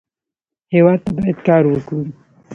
هېواد ته باید کار وکړو